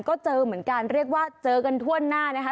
ก็เจอเหมือนกันเรียกว่าเจอกันทั่วหน้านะคะ